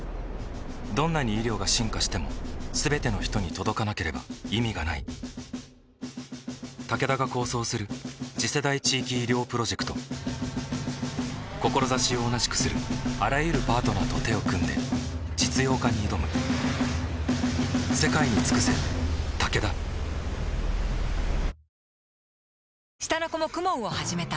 どんなに医療が進化しても全ての人に届かなければ意味がないタケダが構想する次世代地域医療プロジェクト志を同じくするあらゆるパートナーと手を組んで実用化に挑む下の子も ＫＵＭＯＮ を始めた